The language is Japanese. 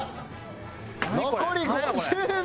残り５０秒です。